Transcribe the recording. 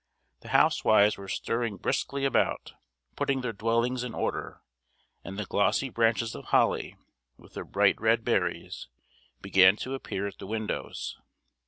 The housewives were stirring briskly about, putting their dwellings in order; and the glossy branches of holly, with their bright red berries, began to appear at the windows.